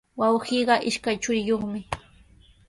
Wawqiiqa ishkay churiyuqmi.